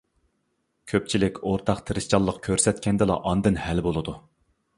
كۆپچىلىك ئورتاق تىرىشچانلىق كۆرسەتكەندىلا ئاندىن ھەل بولىدۇ.